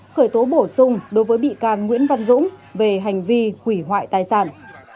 khởi tố bổ sung đối với bị can nguyễn văn dũng về hành vi hủy hoại tài sản